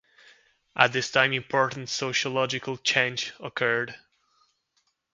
At this time important sociological change occurred.